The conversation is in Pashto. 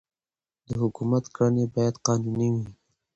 د حکومت کړنې باید قانوني وي